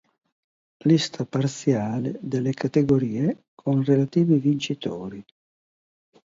Lista parziale delle categorie con relativi vincitori.